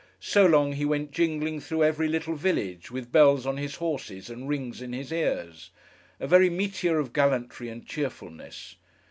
So long, he went jingling through every little village, with bells on his horses and rings in his ears: a very meteor of gallantry and cheerfulness.